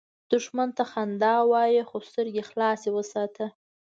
دښمن ته خندا وایه، خو سترګې خلاصه وساته